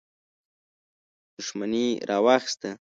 دښمني راواخیسته.